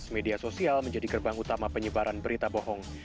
media sosial menjadi gerbang utama penyebaran berita bohong